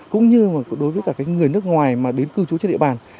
cũng như đối với người nước ngoài đến cư chú trên địa bàn